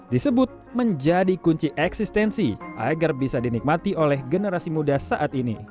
disebut menjadi kunci eksistensi agar bisa dinikmati oleh generasi muda saat ini